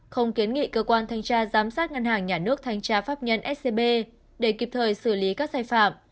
không kiến nghị cơ quan thanh tra giám sát ngân hàng nhà nước thanh tra pháp nhân scb để kịp thời xử lý các sai phạm